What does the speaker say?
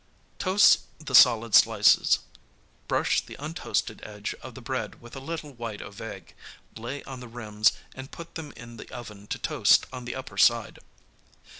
Toast the solid slices. Brush the untoasted edge of the bread with a little white of egg, lay on the rims and put them in the oven to toast on the upper side.